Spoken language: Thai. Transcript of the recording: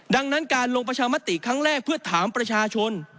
ดังนั้นการลงประชามติครั้งแรกเพื่อถามประชาชน